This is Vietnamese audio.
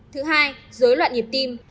thứ hai dối loạn nhịp tim